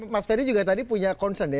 mas ferry juga tadi punya concern ya